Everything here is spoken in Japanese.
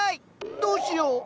どうしよう。